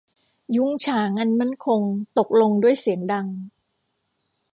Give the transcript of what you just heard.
ยุ้งฉางอันมั่นคงตกลงด้วยเสียงดัง